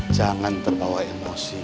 jangan terbawa emosi